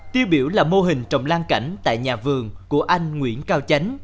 tiêu biểu là mô hình trồng lan cảnh tại nhà vườn của anh nguyễn cao tránh